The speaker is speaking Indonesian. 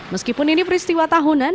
meskipun ini peristiwa tahunan